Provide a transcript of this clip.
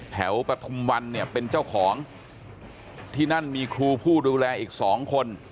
ปฐุมวันเนี่ยเป็นเจ้าของที่นั่นมีครูผู้ดูแลอีกสองคน